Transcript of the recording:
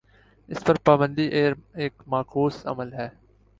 اس پر پابندی ایک معکوس عمل ہے۔